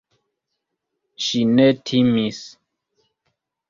Ŝi ne timis.